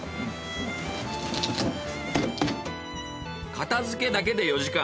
片付けだけで４時間。